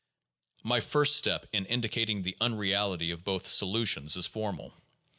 My first step in indicating the unreality of both "solutions" is formal.